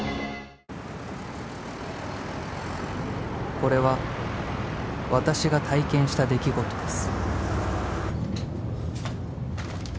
［これは私が体験した出来事です］